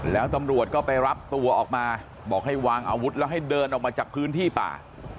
แล้วตำรวจก็ไปรับตัวออกมาบอกให้วางอาวุธแล้วให้เดินออกมาจากพื้นที่ป่า